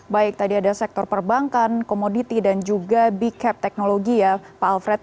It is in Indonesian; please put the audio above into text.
baik tadi ada sektor perbankan komoditi dan juga big cap teknologi ya pak alfred